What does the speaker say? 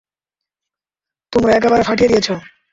তোমরা একেবারে ফাটিয়ে দিয়েছ।